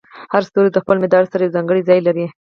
هر ستوری د خپل مدار سره یو ځانګړی ځای لري.